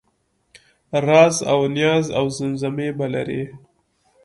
رازاونیازاوزمزمې به لرې